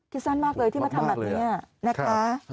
สั้นมากเลยที่มาทำแบบนี้นะคะ